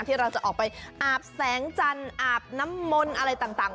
ที่เราจะออกไปอาบแสงจันทร์อาบน้ำมนต์อะไรต่าง